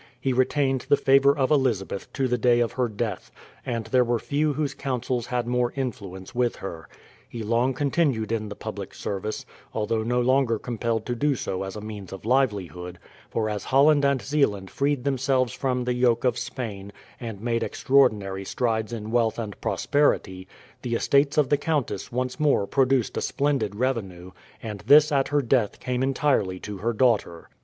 He retained the favour of Elizabeth to the day of her death, and there were few whose counsels had more influence with her. He long continued in the public service, although no longer compelled to do so as a means of livelihood; for as Holland and Zeeland freed themselves from the yoke of Spain, and made extraordinary strides in wealth and prosperity, the estates of the countess once more produced a splendid revenue, and this at her death came entirely to her daughter.